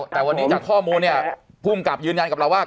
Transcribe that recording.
แต่วันนี้จากข้อมูลเนี่ยภูมิกับยืนยันกับเราว่า